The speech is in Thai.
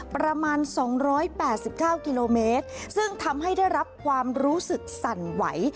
ประมาณ๒๘๙กิโลเมตรซึ่งทำให้ได้รับความรู้สึกสั่นไหว